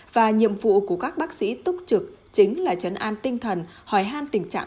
và nhiệm vụ của các bác sĩ túc trực chính là chấn an tinh thần hỏi han tình trạng